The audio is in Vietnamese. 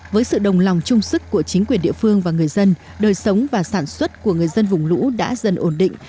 với sự đồng lòng chung sức của chính quyền địa phương và người dân đời sống và sản xuất của người dân vùng lũ đã dần ổn định